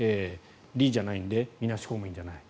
理事じゃないのでみなし公務員じゃない。